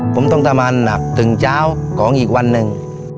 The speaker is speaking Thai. ผมต้องทำงานหนักถึงเช้าของอีกวันหนึ่ง